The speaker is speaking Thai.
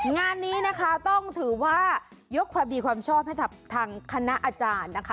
งานนี้นะคะต้องถือว่ายกความดีความชอบให้กับทางคณะอาจารย์นะคะ